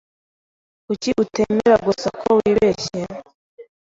Kuki utemera gusa ko wibeshye?